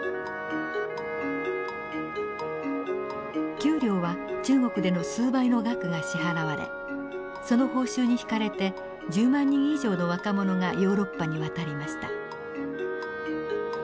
給料は中国での数倍の額が支払われその報酬に引かれて１０万人以上の若者がヨーロッパに渡りました。